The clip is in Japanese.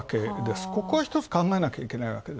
ここは、１つ、考えなきゃいけない。